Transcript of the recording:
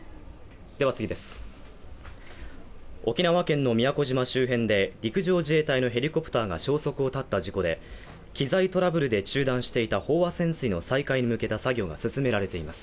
沖縄県の宮古島周辺で、陸上自衛隊のヘリコプターが消息を絶った事故で、機材トラブルで中断していた飽和潜水の再開に向けた作業が進められています。